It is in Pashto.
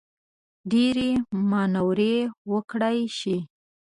ډېرې مانورې وکړای شي.